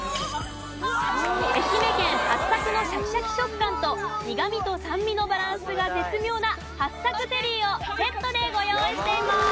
愛媛県八朔のシャキシャキ食感と苦みと酸味のバランスが絶妙な八朔ゼリーをセットでご用意しています。